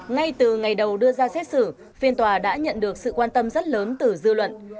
ngay từ ngày đầu đưa ra xét xử phiên tòa đã nhận được sự quan tâm rất lớn từ dư luận